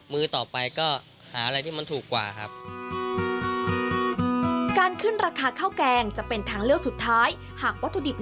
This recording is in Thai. มือต่อไปก็หาอะไรที่มันถูกกว่าครับ